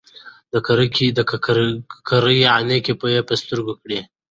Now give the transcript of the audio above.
د ککرۍ عینکې یې په سترګو کړې.